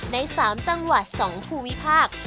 ใน๓จังหวัด๒ภูมิภาค